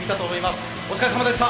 お疲れさまでした。